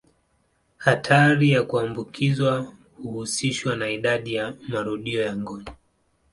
Hatari ya kuambukizwa huhusishwa na idadi ya marudio ya ngono.